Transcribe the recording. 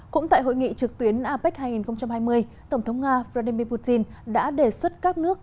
cũng tại hội nghị trực tuyến apec hai nghìn hai mươi tổng thống nga vladimir putin đã đề xuất các nước